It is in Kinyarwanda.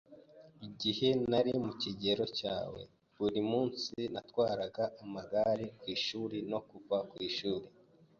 Igihe nari mu kigero cyawe, buri munsi natwaraga amagare ku ishuri no kuva ku ishuri.